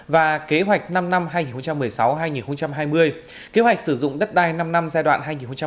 và kế hoạch năm năm hai nghìn một mươi sáu hai nghìn hai mươi kế hoạch sử dụng đất đai năm năm giai đoạn hai nghìn hai mươi một hai nghìn hai mươi năm